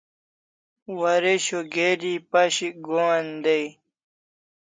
Waresho geri pashik Gohan dai